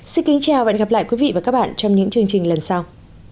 xin kính chào và hẹn gặp lại quý vị và các bạn trong những chương trình lần sau